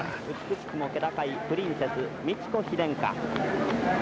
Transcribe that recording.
「美しくも気高いプリンセス美智子妃殿下。